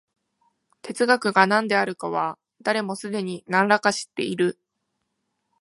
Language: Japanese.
哲学が何であるかは、誰もすでに何等か知っている。